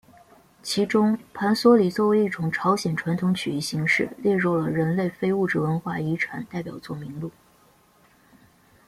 其中盘索里作为一种朝鲜传统曲艺形式列入了人类非物质文化遗产代表作名录。